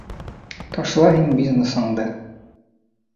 Ташла һин бизнесыңды!